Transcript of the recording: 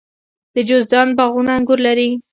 د جوزجان باغونه انګور لري.